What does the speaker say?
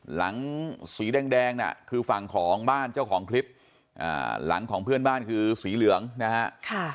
หลังสีแดงน่ะคือฝั่งของบ้านเจ้าของคลิปหลังของเพื่อนบ้านคือสีเหลืองนะฮะ